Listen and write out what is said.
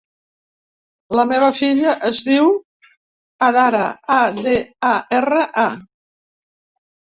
La meva filla es diu Adara: a, de, a, erra, a.